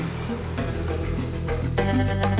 gimana yang terjadi